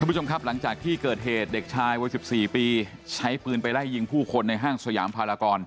ผู้ชมครับหลังจากที่เกิดเหตุเด็กชายวัย๑๔ปีใช้ปืนไปไล่ยิงผู้คนในห้างสยามภารกร